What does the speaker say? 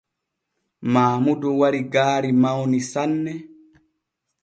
Maamudu wari gaari mawni sanne.